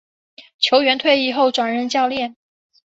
球员退役后转任教练。